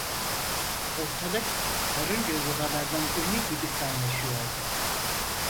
Ortalık karınca yuvalarının önü gibi kaynaşıyordu.